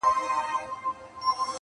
تاريخ د درد شاهد پاتې کيږي,